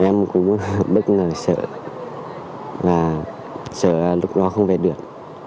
em cũng bất ngờ sợ là sợ lúc đó không về được